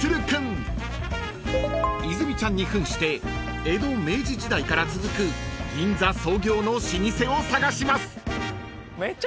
［泉ちゃんに扮して江戸明治時代から続く銀座創業の老舗を探します］